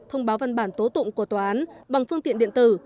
thông báo văn bản tố tụng của tòa án bằng phương tiện điện tử